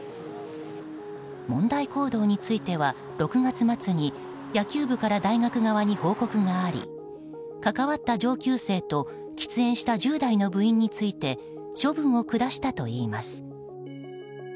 問題行動については、６月末に野球部から大学側に報告があり関わった上級生と喫煙した１０代の部員について処分を下したといいます。